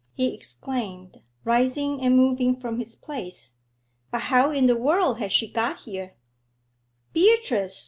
he exclaimed, rising and moving from his place. 'But how in the world has she got here?' 'Beatrice!'